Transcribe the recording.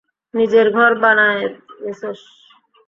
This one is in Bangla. নিজের ঘর বানায় নিছোস?